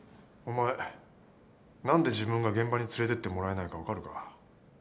お前何で自分が現場に連れてってもらえないか分かるか？